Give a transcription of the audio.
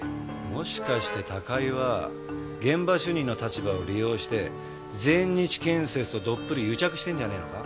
もしかして高井は現場主任の立場を利用して全日建設とどっぷり癒着してんじゃねえのか？